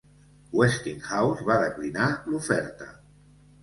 Westinghouse va declinar l"oferta.